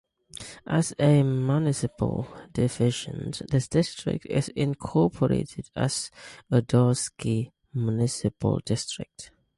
As a municipal division, the district is incorporated as Udorsky Municipal District.